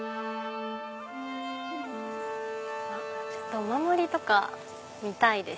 お守りとか見たいです。